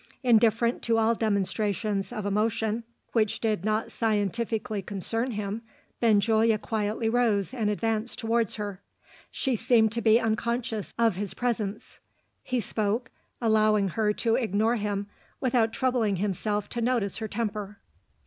Indifferent to all demonstrations of emotion which did not scientifically concern him, Benjulia quietly rose and advanced towards her. She seemed to be unconscious of his presence. He spoke allowing her to ignore him without troubling himself to notice her temper.